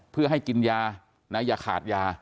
เพื่อให้กินยานะอย่าขาดยา